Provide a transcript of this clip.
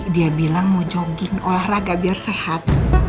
dia bilang mau jogging olahraga biar sehat